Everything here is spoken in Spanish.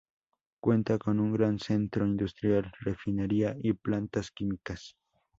Cuenta con un gran centro industrial, refinería y plantas químicas.